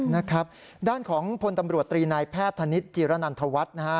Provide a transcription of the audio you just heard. นะครับด้านของพลตำรวจตรีนายแพทย์ธนิษฐจีรนันทวัฒน์นะฮะ